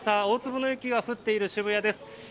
大粒の雪が降っている渋谷です。